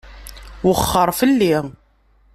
Wexxeṛ fell-i!